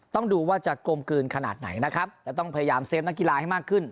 ต้องดูว่าจะกลมกลืนขนาดไหนนะครับจะต้องพยายามเซฟนักกีฬาให้มากขึ้น